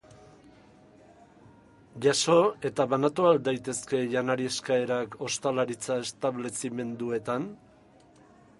Jaso eta banatu al daitezke janari-eskaerak ostalaritza-establezimenduetan?